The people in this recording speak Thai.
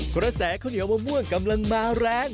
กระแสข้าวเหนียวมะม่วงกำลังมาแรง